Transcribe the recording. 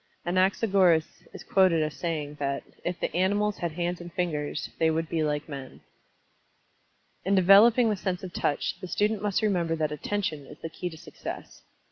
Anaxagoras is quoted as saying that "if the animals had hands and fingers, they would be like men." In developing the sense of Touch, the student must remember that Attention is the key to success.